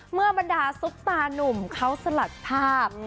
บรรดาซุปตานุ่มเขาสลัดภาพ